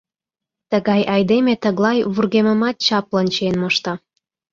Тыгай айдеме тыглай вургемымат чаплын чиен мошта.